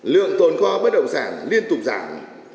lượng tôn kho bất động sản liên tục giảm